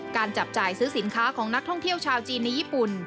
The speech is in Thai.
จับจ่ายซื้อสินค้าของนักท่องเที่ยวชาวจีนในญี่ปุ่น